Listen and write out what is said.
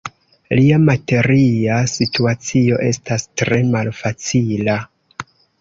Lia materia situacio estas tre malfacila.